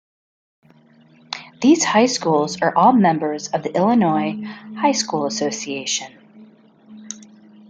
These high schools are all members of the Illinois High School Association.